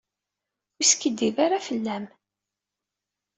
Ur yeskiddib ara fell-am.